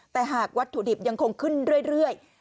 แต่หากวัตถุดิบยังคงขึ้นเรื่อย